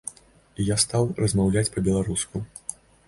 І я стаў размаўляць па-беларуску.